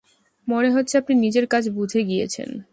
মনে হচ্ছে আপনি নিজের কাজ বুঝে গিয়েছেন।